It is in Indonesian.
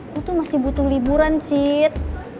gue tuh masih butuh liburan cid